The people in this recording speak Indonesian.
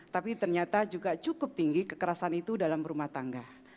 tapi ternyata juga cukup tinggi kekerasan itu dalam rumah tangga